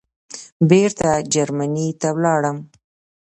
بېرته جرمني ته ولاړم.